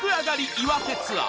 岩手ツアー